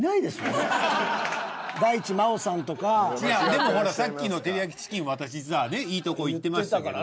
でもほらさっきのてりやきチキン私さいいとこいってましたけど。